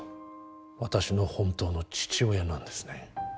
私の本当の父親なんですね